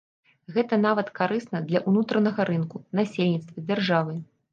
Гэта нават карысна для ўнутранага рынка, насельніцтва, дзяржавы.